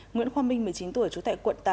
nguyễn khoa minh một mươi chín tuổi trú tại quận tám